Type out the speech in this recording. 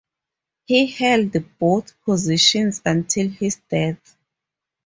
He held both positions until his death.